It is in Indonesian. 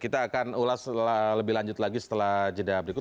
saya akan ulas lebih lanjut lagi setelah jendela berikut